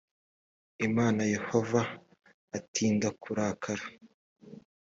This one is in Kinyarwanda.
imana yehova atinda kurakara